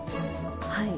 はい。